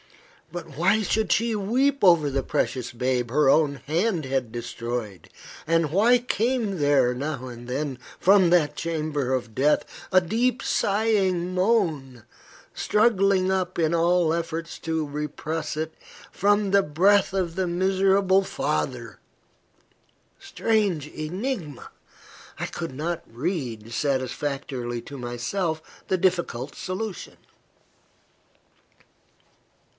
But why should she weep over the precious babe her own hand had destroyed? and why came there, now and then, from that chamber of death, a deep sighing moan, struggling up in spite of all efforts to repress it, from the breast of the miserable father? Strange enigma! I could not read, satisfactorily to myself, the difficult solution.